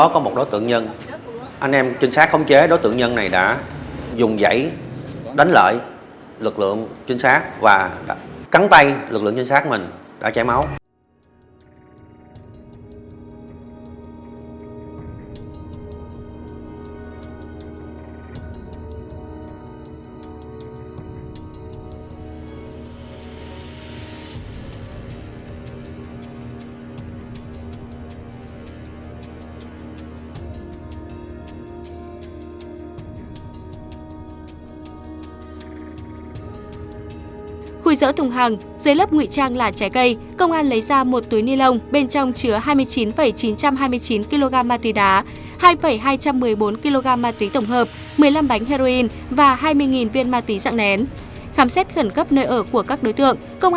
khám xét khẩn cấp nơi ở của các đối tượng công an thu thêm hai trăm linh một gam ma túy đá gần năm mươi gam ma túy tổng hợp dạng viên nén